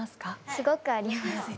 すごくあります。